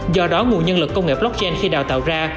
do đó nguồn nhân lực công nghệ blockchain khi đào tạo ra